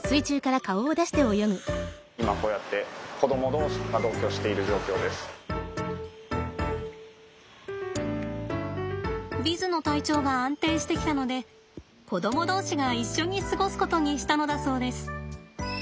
今こうやってヴィズの体調が安定してきたので子ども同士が一緒に過ごすことにしたのだそうです。